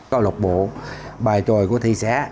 câu lạc bộ bài tròi của thị xã